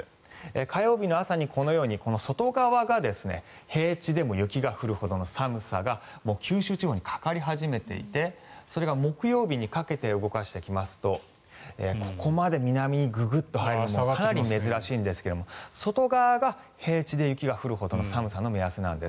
火曜日の朝に、このように外側が平地でも雪が降るほどの寒さが九州地方にかかり始めていてそれが木曜日にかけて動かしていきますとここまで南にググッと下がるのはかなり珍しいんですが外側が平地で雪が降るほどの寒さの目安なんです。